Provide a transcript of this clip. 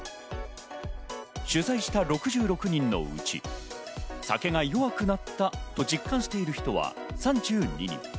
取材した６６人のうち、酒が弱くなったと実感している人は３２人。